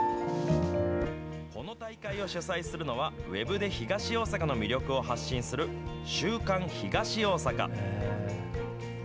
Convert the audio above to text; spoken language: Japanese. この大会を主催するのは、ウェブで東大阪の魅力を発信する週刊ひがしおおさか。